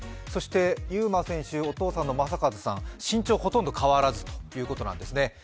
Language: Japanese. そして優真選手、お父さんの正和さん、身長ほとんど変わらずということなんですよね。